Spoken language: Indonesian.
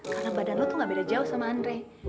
karena badan lo tuh gak beda jauh sama andre